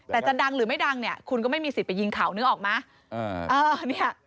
แต่จะดังหรือไม่ดังเนี่ยคุณก็ไม่มีสิทธิ์ไปยิงเขานึกออกไหม